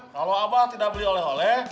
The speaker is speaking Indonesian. kalau apa tidak beli oleh oleh